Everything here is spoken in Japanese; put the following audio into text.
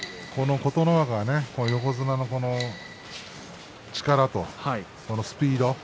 琴ノ若は横綱の力とこのスピード。